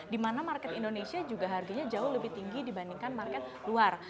di mana market indonesia juga harganya jauh lebih tinggi dibandingkan market luar